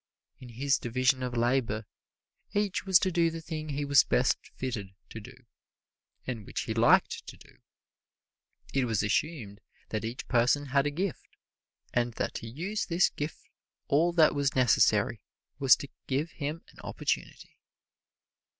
In his division of labor each was to do the thing he was best fitted to do, and which he liked to do. It was assumed that each person had a gift, and that to use this gift all that was necessary was to give him an opportunity.